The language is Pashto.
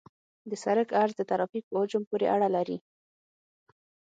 د سرک عرض د ترافیک په حجم پورې اړه لري